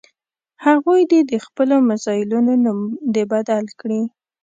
هغوی دې د خپلو میزایلونو نوم دې بدل کړي.